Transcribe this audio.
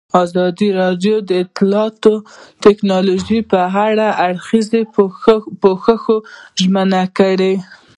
ازادي راډیو د اطلاعاتی تکنالوژي په اړه د هر اړخیز پوښښ ژمنه کړې.